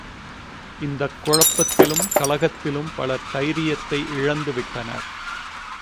இந்தக் குழப்பத்திலும் கலக்கத்திலும், பலர் தைரியத்தை இழந்து விட்டனர்.